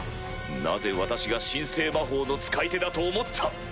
なぜ私が神聖魔法の使い手だと思った？